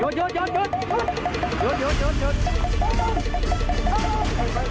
หยุด